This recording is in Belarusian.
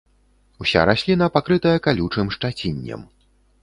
Уся расліна пакрытая калючым шчаціннем.